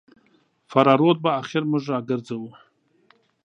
فراه رود به اخر موږ راګرځوو.